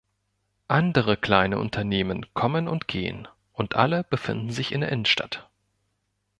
Andere kleine Unternehmen kommen und gehen und alle befinden sich in der Innenstadt.